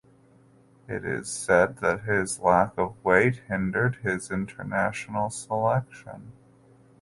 It is said that his lack of weight hindered his international selection.